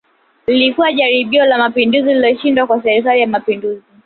Lilikuwa jaribio la Mapinduzi lililoshindwa kwa Serikali ya Mapinduzi